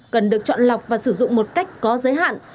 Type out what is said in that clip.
cần được chọn lọc và sử dụng một cách có giới hạn